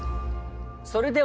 それでは。